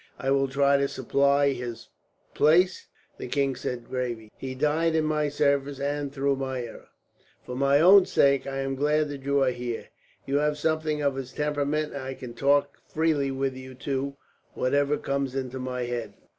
"I will try to supply his place," the king said gravely. "He died in my service, and through my error. "For my own sake, I am glad that you are here. You have something of his temperament, and I can talk freely with you, too, whatever comes into my head."